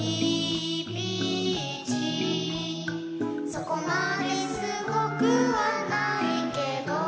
「そこまですごくはないけど」